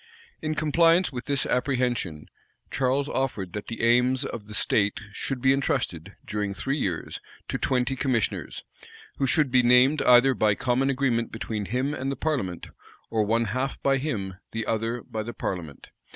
In compliance with this apprehension, Charles offered that the arms of the state should be intrusted, during three years, to twenty commissioners, who should be named either by common agreement between him and the parliament, or one half by him, the other by the parliament.